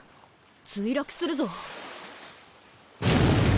墜落するぞ。